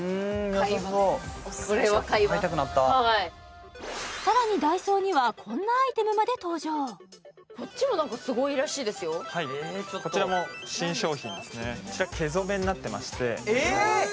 良さそう買いたくなったさらにＤＡＩＳＯにはこんなアイテムまで登場こっちも何かすごいらしいですよこちらも新商品ですねこちら毛染めになってましてえ？